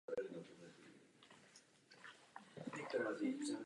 Naši činnost můžeme dokázat.